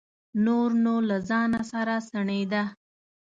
نور نو له ځانه سره سڼېده.